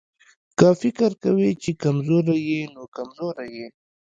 که فکر کوې چې کمزوری يې نو کمزوری يې.